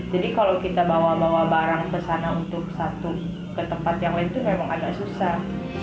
jadi kalau kita bawa bawa barang ke sana untuk satu ke tempat yang lain itu memang agak susah